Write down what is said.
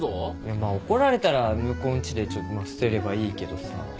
まぁ怒られたら向こうん家で捨てればいいけどさ。